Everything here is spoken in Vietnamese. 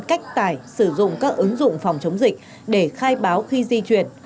cách tải sử dụng các ứng dụng phòng chống dịch để khai báo khi di chuyển